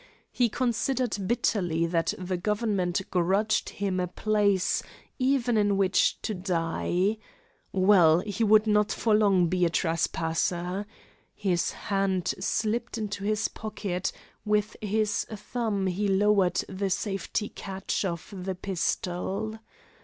He considered bitterly that the government grudged him a place even in which to die. Well, he would not for long be a trespasser. His hand slipped into his pocket, with his thumb he lowered the safety catch of the pistol.